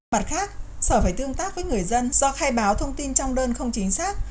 mặt khác sở phải tương tác với người dân do khai báo thông tin trong đơn không chính xác